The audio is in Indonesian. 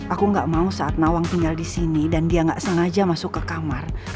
aku gak mau saat nawang tinggal di sini dan dia nggak sengaja masuk ke kamar